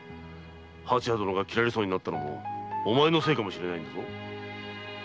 蜂屋殿が斬られそうになったのもお前のせいかもしれないんだぞ。